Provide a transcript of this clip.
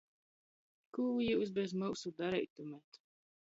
Kū jius bez myusu dareitumet?